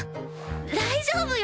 大丈夫よ。